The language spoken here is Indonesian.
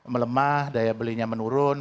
melemah daya belinya menurun